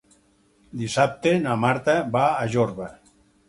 Dissabte na Marta va a Jorba.